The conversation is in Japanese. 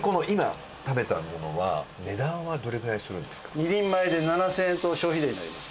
ちなみにこの２人前で７０００円と消費税になります。